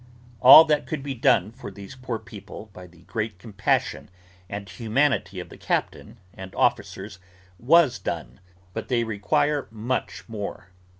All that could be done for these poor people by the great compassion and humanity of the captain and officers was done, but they require much more.